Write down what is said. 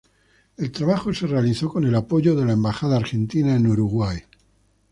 El trabajo se realizó con el apoyo de la Embajada Argentina en Uruguay.